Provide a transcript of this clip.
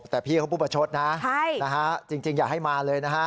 แต่พี่เขาพูดประชดนะจริงอย่าให้มาเลยนะฮะ